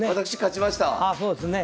あそうですね